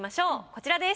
こちらです。